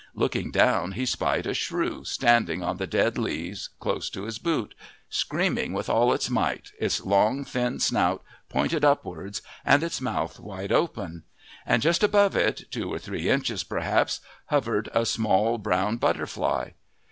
Looking down he spied a shrew standing on the dead leaves close to his boot, screaming with all its might, its long thin snout pointed upwards and its mouth wide open; and just above it, two or three inches perhaps, hovered a small brown butterfly.